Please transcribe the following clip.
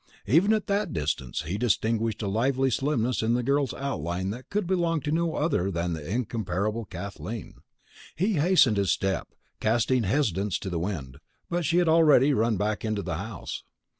Even at that distance, he distinguished a lively slimness in the girlish outline that could belong to no other than the Incomparable Kathleen. He hastened his step, casting hesitance to the wind. But she had already run back into the house.